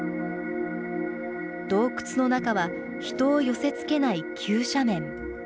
洞窟の中は人を寄せつけない急斜面。